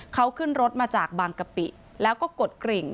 เขาขึ้นรถมาจากบางกะปิแล้วก็กดกริ่ง